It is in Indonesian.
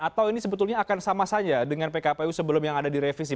atau ini sebetulnya akan sama saja dengan pkpu sebelum yang ada direvisi